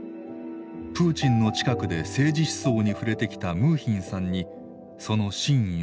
プーチンの近くで政治思想に触れてきたムーヒンさんにその真意を問いました。